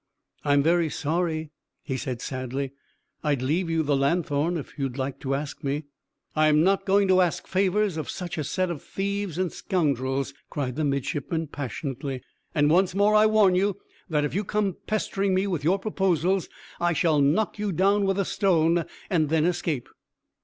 "I'm very sorry," he said sadly; "and I'd leave you the lanthorn if you like to ask me." "I'm not going to ask favours of such a set of thieves and scoundrels," cried the midshipman passionately; "and once more I warn you that, if you come pestering me with your proposals, I shall knock you down with a stone, and then escape."